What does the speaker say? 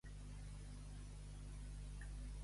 Dur el bou vell a domar i hom vell a castigar.